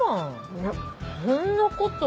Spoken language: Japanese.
いやそんなこと。